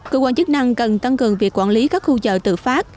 cơ quan chức năng cần tăng cường việc quản lý các khu chợ tự phát